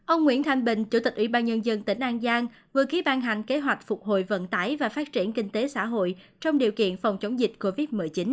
ông nguyễn thanh bình chủ tịch ủy ban nhân dân tỉnh an giang vừa ký ban hành kế hoạch phục hồi vận tải và phát triển kinh tế xã hội trong điều kiện phòng chống dịch covid một mươi chín